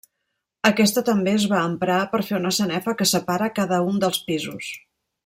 Aquesta també es va emprar per fer una sanefa que separa cada un dels pisos.